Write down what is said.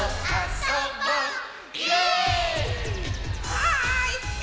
はい！